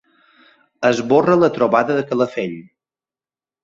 Esborra la trobada de Calafell.